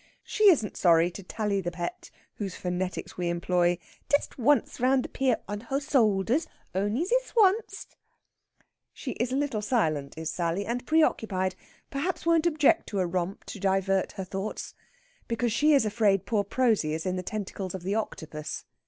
She isn't sorry to tally the pet (whose phonetics we employ) "dest wunced round the p on her soulders, only zis wunced." She is a little silent, is Sally, and preoccupied perhaps won't object to a romp to divert her thoughts. Because she is afraid poor Prosy is in the tentacles of the Octopus.